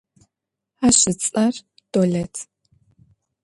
Ащ ыцӏэр Долэт.